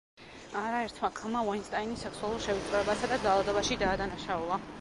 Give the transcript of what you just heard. არაერთმა ქალმა უაინსტაინი სექსუალურ შევიწროებასა და ძალადობაში დაადანაშაულა.